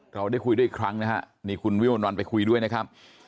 เราได้คุยด้วยอีกครั้งนะฮะนี่คุณวิมวลวันไปคุยด้วยนะครับ